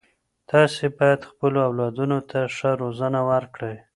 تاسې باید خپلو اولادونو ته ښه روزنه ورکړئ.